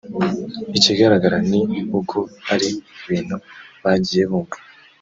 Ikigaragara ni uko ari ibintu bagiye bumva